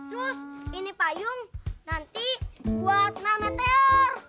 terus ini payung nanti buat nama teror